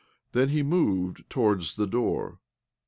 Then he moved towar'ds the door.